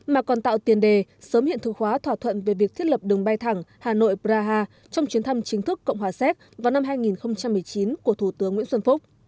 mà còn tạo tiền đề sớm hiện thực hóa thỏa thuận về việc thiết lập đường bay thẳng hà nội praha trong chuyến thăm chính thức cộng hòa séc vào năm hai nghìn một mươi chín của thủ tướng nguyễn xuân phúc